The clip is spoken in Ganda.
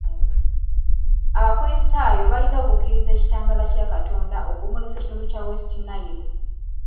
Abakrisitaayo balina okukkiriza ekitangala kya Katonda okumulisa ekitundu kya West Nile.